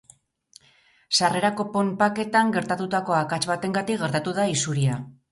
Sarrerako ponpaketan gertatutako akats batengatik gertatu da isuria.